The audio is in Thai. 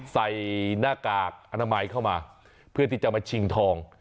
ใส่หน้ากากอนามัยเข้ามาเพื่อที่จะมาชิงทอง